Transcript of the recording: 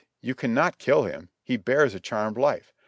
you cannot kill him ; he bears a charmed life.